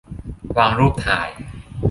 วางรูปถ่าย